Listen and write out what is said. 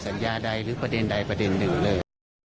สัญญาใดหรือประเด็นใดประเด็นหนึ่งเลย